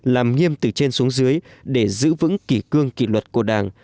làm nghiêm từ trên xuống dưới để giữ vững kỷ cương kỷ luật của đảng